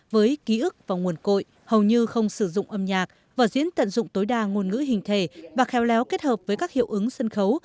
với ký ức và nguồn cội hầu như không sử dụng âm nhạc vở diễn tận dụng tối đa ngôn ngữ hình thể và khéo léo kết hợp với các hiệu ứng sân khấu